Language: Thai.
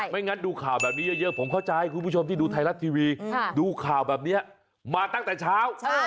งั้นดูข่าวแบบนี้เยอะผมเข้าใจคุณผู้ชมที่ดูไทยรัฐทีวีดูข่าวแบบนี้มาตั้งแต่เช้า